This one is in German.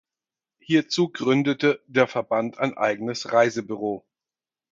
Hierzu gründete der Verband ein eigenes Reisebüro.